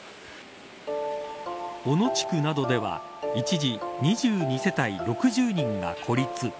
小野地区などでは一時２２世帯６０人が孤立。